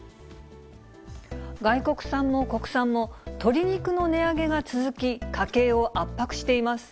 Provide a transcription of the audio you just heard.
外国産も国産も、鶏肉の値上げが続き、家計を圧迫しています。